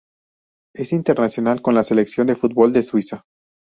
Es internacional con la selección de fútbol de Suiza.